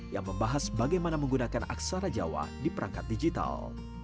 yang membahas bagaimana menggunakan aksara jawa di perangkat digital